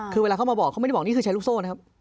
คือเวลาเขามาบอกเขาไม่ได้บอกนี่คือใช้ลูกโซ่นะครับ